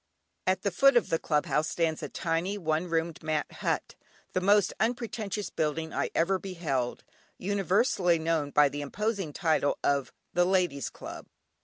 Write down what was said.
At the foot of the Club House stands a tiny, one roomed, mat hut, the most unpretentious building I ever beheld, universally known by the imposing title of "The Ladies Club."